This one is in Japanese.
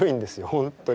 本当に。